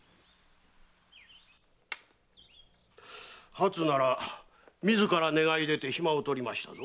はつなら自ら願い出て暇をとりました。